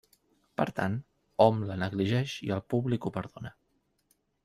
Per tant, hom la negligeix i el públic ho perdona.